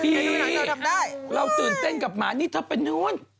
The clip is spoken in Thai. พี่เราตื่นเต้นกับหมานี่จะไปตรงนู้น